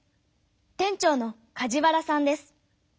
店長の梶原さんです。